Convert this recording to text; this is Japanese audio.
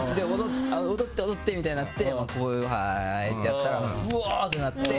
踊って踊ってみたいになってはーいってやったらわーってなって。